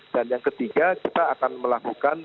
dan yang ketiga kita akan melakukan